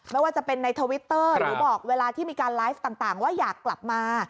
ไม่ว่าจะเป็นในทวิตเตอร์หรือบอกเวลาที่มีการไลฟ์ต่างว่าอยากกลับมา